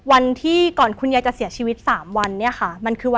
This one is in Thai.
วันที่ก่อนคุณยายจะเสียชีวิต๓วันเนี่ยค่ะ